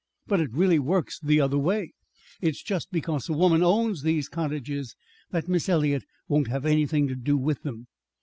But it really works the other way. It's just because a woman owns those cottages that Miss Eliot won't have anything to do with them.